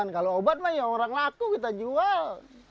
kalau obat ya orang laku kita jual